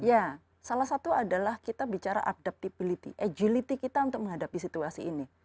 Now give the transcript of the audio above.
ya salah satu adalah kita bicara adaptability agility kita untuk menghadapi situasi ini